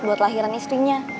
buat lahiran istrinya